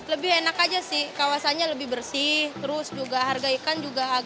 lebih enak aja sih kawasannya lebih bersih terus juga harga ikan juga